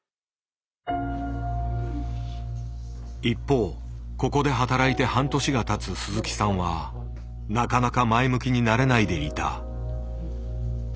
一方ここで働いて半年がたつ鈴木さんはなかなか前向きになれないでいた。